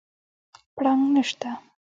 پړانګ نشته